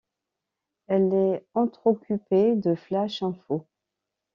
Elle est entrecoupé de flash infos.